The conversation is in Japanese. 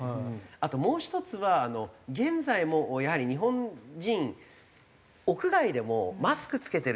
あともう１つは現在もやはり日本人屋外でもマスク着けてるじゃないですか。